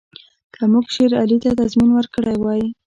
که موږ شېر علي ته تضمین ورکړی وای.